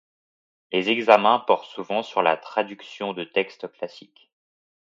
Les examens portent souvent sur la traduction de textes classiques.